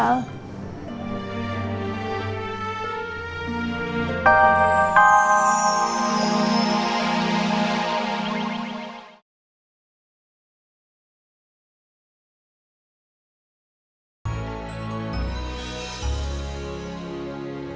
kemudian kang salim meninggal